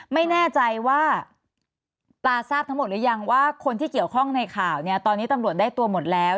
ไม่แน่ใจว่าตาทราบทั้งหมดหรือยังว่าคนที่เกี่ยวข้องในข่าวเนี่ยตอนนี้ตำรวจได้ตัวหมดแล้ว